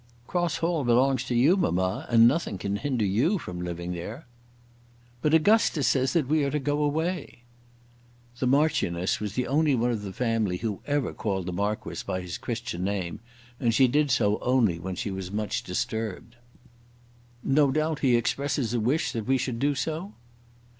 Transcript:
"Cross Hall belongs to you, mamma, and nothing can hinder you from living there." "But Augustus says that we are to go away." The Marchioness was the only one of the family who ever called the Marquis by his Christian name, and she did so only when she was much disturbed. "No doubt he expresses a wish that we should do so?"